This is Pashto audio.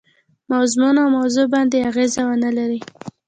مضمون او موضوع باندي اغېزه ونه لري.